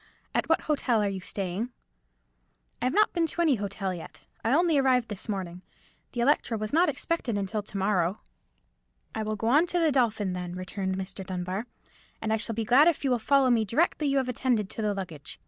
At what hotel are you staying?" "I have not been to any hotel yet. I only arrived this morning. The Electra was not expected until to morrow." "I will go on to the Dolphin, then," returned Mr. Dunbar; "and I shall be glad if you will follow me directly you have attended to the luggage.